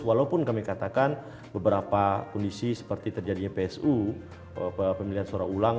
walaupun kami katakan beberapa kondisi seperti terjadinya psu pemilihan suara ulang